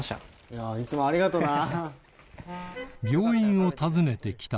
いやいつもありがとな。